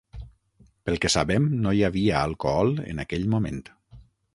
Pel que sabem, no hi havia alcohol en aquell moment.